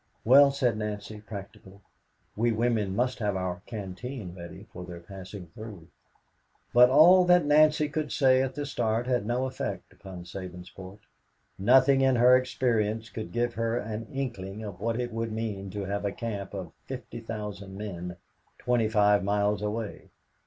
"Well," said Nancy, practically, "we women must have our canteen ready for their passing through." But all that Nancy could say at the start had no effect upon Sabinsport. Nothing in her experience could give her an inkling of what it would mean to have a camp of 50,000 men twenty five miles away.